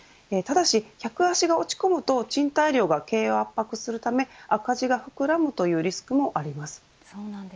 ただし、客足が落ち込むと賃貸料が経営を圧迫するため赤字が膨らむというリスクもあります。